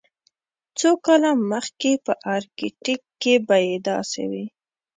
څو کاله مخکې په ارکټیک کې بیې داسې وې